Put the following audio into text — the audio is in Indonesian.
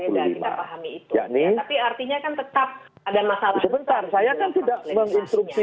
sebentar saya kan tidak menginstruksi